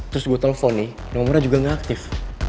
terus gue telepon nih nomornya juga gak aktif